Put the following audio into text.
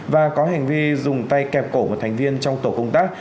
và có hành vi dùng tay kẹp cổ một thành viên trong tổ công tác